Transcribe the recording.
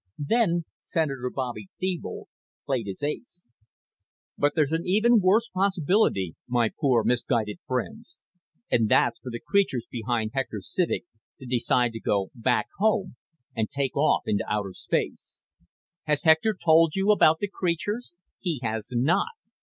Then Senator Bobby Thebold played his ace: "But there's an even worse possibility, my poor misguided friends. And that's for the creatures behind Hector Civek to decide to go back home and take off into outer space. Has Hector told you about the creatures? He has not.